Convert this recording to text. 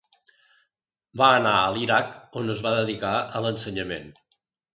Va anar a l'Iraq on es va dedicar a l'ensenyament.